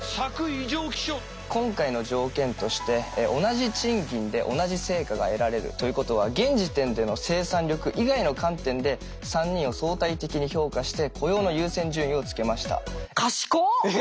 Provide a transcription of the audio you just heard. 今回の条件として同じ賃金で同じ成果が得られるということは現時点での生産力以外の観点で３人を相対的に評価して雇用の優先順位をつけました。